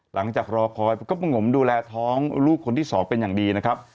หลังจากรอคอยก็มองดูแลท้องลูกคนนี้สองเป็นอย่างดีนะครับ